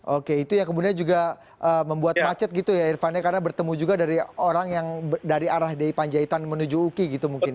oke itu yang kemudian juga membuat macet gitu ya irfan ya karena bertemu juga dari orang yang dari arah di panjaitan menuju uki gitu mungkin ya